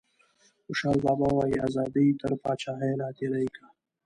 خوشحال بابا وايي ازادي تر پاچاهیه لا تیری کا.